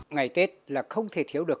ngày tết là không thể thiếu được